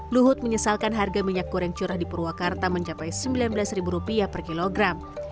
luhut menyesalkan harga minyak goreng curah di purwakarta mencapai rp sembilan belas per kilogram